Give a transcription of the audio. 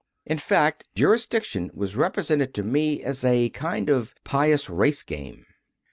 In fact, Jurisdiction was represented to me as a kind of pious race game.